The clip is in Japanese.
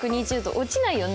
落ちないよね？